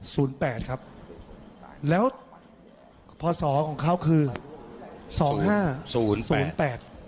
สูญแปดครับแล้วพศของเขาคือสอยห้าสูญแปด